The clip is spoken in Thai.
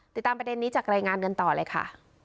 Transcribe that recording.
ติดตามประเด็นนี้จากรายงานกันต่อเลยค่ะ